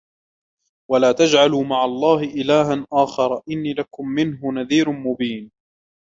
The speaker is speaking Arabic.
وَلَا تَجْعَلُوا مَعَ اللَّهِ إِلَهًا آخَرَ إِنِّي لَكُمْ مِنْهُ نَذِيرٌ مُبِينٌ